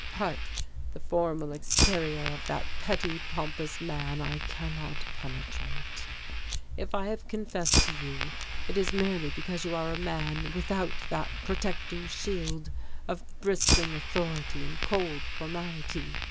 But the formal exterior of that petty pompous man I cannot penetrate. If I have confessed to you, it is merely because you are a man without that protecting shield of bristling authority and cold formality.